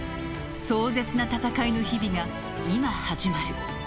［壮絶な戦いの日々が今始まる］